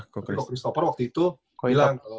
ko kristoper waktu itu bilang